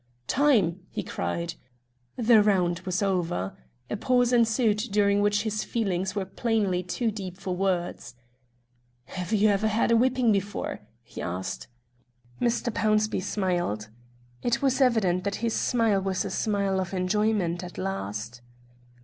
"Time!" he cried. The round was over. A pause ensued, during which his feelings were plainly too deep for words. "Have you ever had a whipping before?" he asked. Mr. Pownceby smiled; it was evident that his smile was a smile of enjoyment at last.